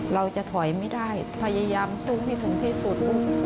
เราจะถอยไม่ได้พยายามสู้ให้ถึงที่สุด